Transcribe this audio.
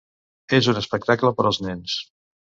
És un espectacle per als nens.